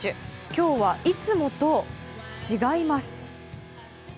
今日はいつもと違います。